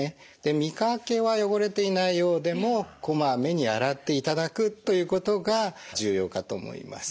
見かけは汚れていないようでもこまめに洗っていただくということが重要かと思います。